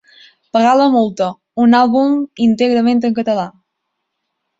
Pagar la multa, un àlbum íntegrament en català.